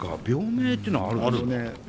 病名っていうのはあるんですか？